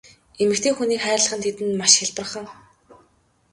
Эмэгтэй хүнийг хайрлах нь тэдэнд маш хялбархан.